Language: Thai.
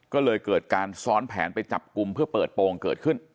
ก็เลยเกิดการซ้อนแผนไปจับกลุ่มเพื่อเปิดโปรงเกิดขึ้น